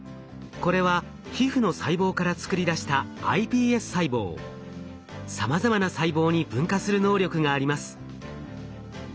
これは皮膚の細胞から作り出したさまざまな細胞に分化する能力があります。